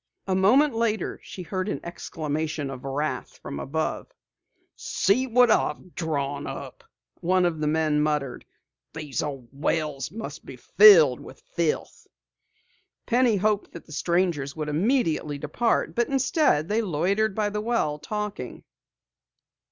A moment later she heard an exclamation of wrath from above. "See what I've drawn up!" one of the men muttered. "These old wells must be filled with filth!" Penny hoped that the strangers would immediately depart, but instead they loitered by the well, talking.